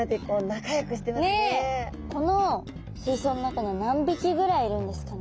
この水槽の中には何匹ぐらいいるんですかね。